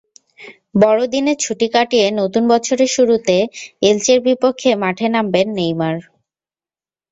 বড়দিনের ছুটি কাটিয়ে নতুন বছরের শুরুতে এলচের বিপক্ষে মাঠে নামবেন নেইমার।